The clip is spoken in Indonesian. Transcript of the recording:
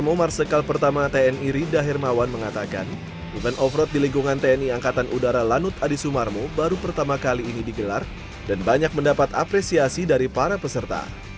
pemirsa rida hermawan mengatakan event offroad di lingkungan tni angkatan udara lanut adi sumarmu baru pertama kali ini digelar dan banyak mendapat apresiasi dari para peserta